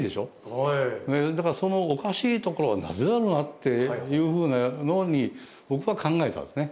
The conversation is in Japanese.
はいだからそのおかしいところはなぜだろうなっていうふうに僕は考えたんですね